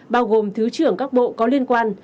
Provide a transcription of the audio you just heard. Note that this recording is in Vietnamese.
bao gồm thứ trưởng các bộ có liên quan